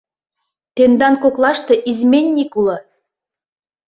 — Тендан коклаште изменник уло.